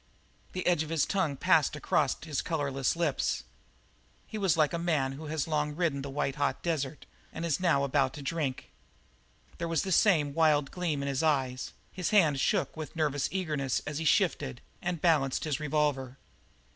The edge of his tongue passed across his colourless lips. He was like a man who long has ridden the white hot desert and is now about to drink. There was the same wild gleam in his eyes; his hand shook with nervous eagerness as he shifted and balanced his revolver.